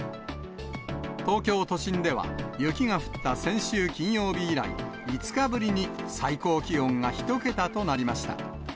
東京都心では、雪が降った先週金曜日以来、５日ぶりに最高気温が１桁となりました。